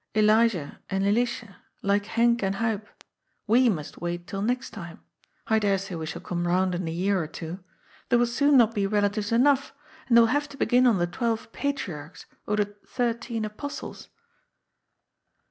Elijah and Elisha, like Henk and Huib. We must wait till next time ; I dare say we shall come round in a year or two. There will soon not be relatives enough, and they will have to begin on the twelve patriarchs or the thirteen apostles."